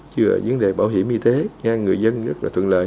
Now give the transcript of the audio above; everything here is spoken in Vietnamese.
chứ ở vấn đề bảo hiểm y tế người dân rất là thuận lợi